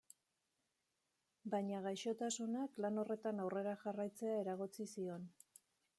Baina gaixotasunak lan horretan aurrera jarraitzea eragotzi zion.